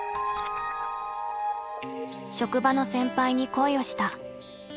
職場の先輩に恋をした。